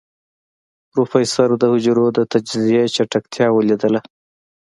پروفيسر د حجرو د تجزيې چټکتيا وليدله.